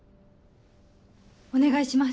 お願いします。